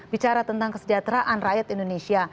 bicara tentang kesejahteraan rakyat indonesia